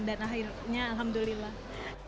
dan akhirnya alhamdulillah